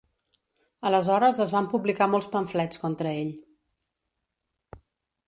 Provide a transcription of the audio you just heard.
Aleshores es van publicar molts pamflets contra ell.